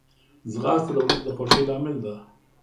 ځغاسته د ورځې د خوښۍ لامل ده